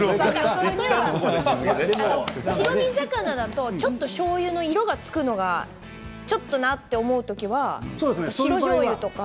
白身魚だとしょうゆの色がつくのはちょっとなと思う時は白じょうゆとか？